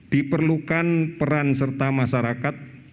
diperlukan peran serta masyarakat